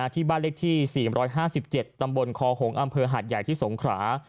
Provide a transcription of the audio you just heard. ที่บ้านเลขที่๔๕๗ตำบลคอหงษ์อำเภอหาดใหญ่ที่สงขรา